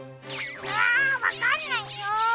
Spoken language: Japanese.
うんわかんないよ！